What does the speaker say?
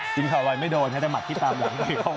จึงเข่ารอยไม่โดนแต่หมัดทิ้งตามหลังสตัวเข้าข้าง